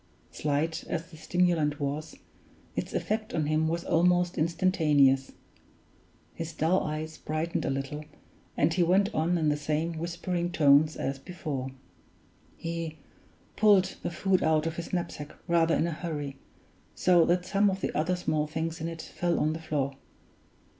Slight as the stimulant was, its effect on him was almost instantaneous. His dull eyes brightened a little, and he went on in the same whispering tones as before: "He pulled the food out of his knapsack rather in a hurry, so that some of the other small things in it fell on the floor.